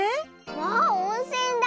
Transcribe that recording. わあおんせんだ！